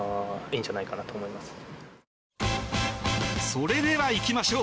それではいきましょう！